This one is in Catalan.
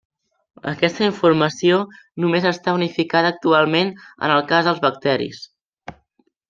Aquesta informació només està unificada actualment en el cas dels bacteris.